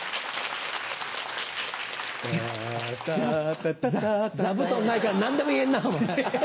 タタタタタタタ座布団ないから何でも言えんなお前。